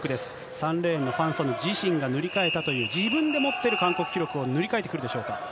３レーンのファン・ソヌ自身が塗り替えたという、自分で持ってる韓国記録を塗り替えてくるでしょうか。